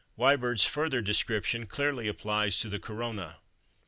Wyberd's further description clearly applies to the Corona.